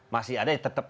masih ada tetap